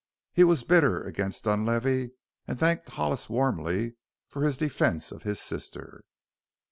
He was bitter against Dunlavey and thanked Hollis warmly for his defense of his sister.